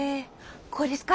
こうですか？